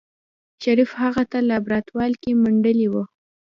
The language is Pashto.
شريف هغه په لابراتوار کې منډلې وه.